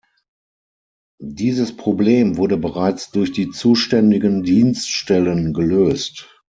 Dieses Problem wurde bereits durch die zuständigen Dienststellen gelöst.